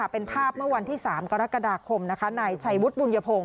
เป็นภาพเมื่อวันที่๓กรกฎาคมอชัยพุทธบุญภง